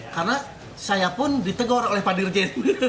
karena saya pun ditegur oleh pak dirjen